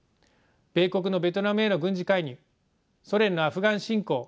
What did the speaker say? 米国のベトナムへの軍事介入ソ連のアフガン侵攻